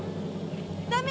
ダメ！